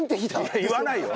いや言わないよ！